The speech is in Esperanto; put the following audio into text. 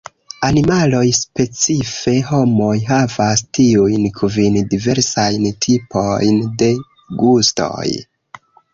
Animaloj, specife homoj, havas tiujn kvin diversajn tipojn de gustoj.